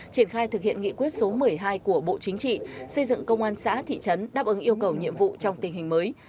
triển khai thực hiện nghị quyết số một mươi hai của bộ chính trị xây dựng công an xã thị trấn đáp ứng yêu cầu nhiệm vụ trong tình hình mới